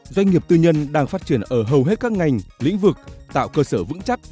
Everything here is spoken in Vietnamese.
doanh nghiệp tư nhân đang phát triển ở hầu hết các ngành lĩnh vực tạo cơ sở vững chắc